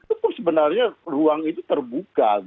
itu sebenarnya ruang itu terbuka